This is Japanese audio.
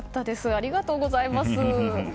ありがとうございます。